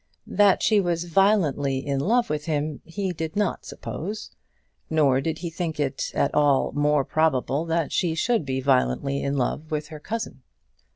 That she was violently in love with him he did not suppose, nor did he think it at all more probable that she should be violently in love with her cousin.